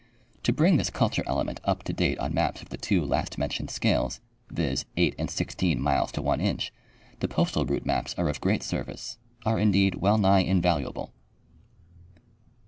To bring this culture element up to date on maps of the two last mentioned scales, viz, 8 and 16 miles to one inch, the postal route maps are of great service — are, indeed, well nigh invaluable.